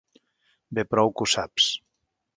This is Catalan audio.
Bé prou que ho saps.